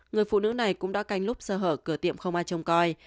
người phụ nữ này cũng đã canh lúc sơ hở cửa tiệm không ai trông coi